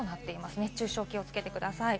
熱中症に気をつけてください。